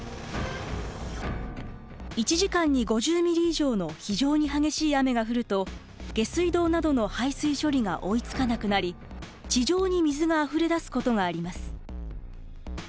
１時間に５０ミリ以上の非常に激しい雨が降ると下水道などの排水処理が追いつかなくなり地上に水があふれ出すことがあります。